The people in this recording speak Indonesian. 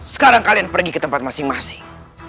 sekarang kalian pergi ke tempat masing masing